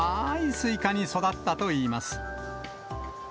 スイカに育ったといいます。